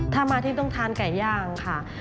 ถ้ามาที่ต้องทานไก่ย่างค่ะ